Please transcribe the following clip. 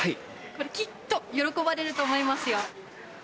これきっと喜ばれると思いますよ。